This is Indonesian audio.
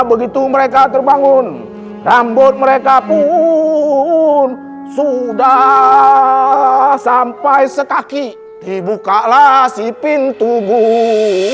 begitu mereka terbangun rambut mereka pun sudah sampai sekaki dibukalah si pintu goa di depan goa